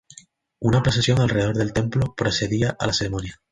Una procesión alrededor del templo precedía a las ceremonias.